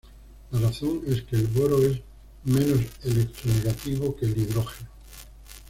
La razón es que el boro es menos electronegativo que el hidrógeno.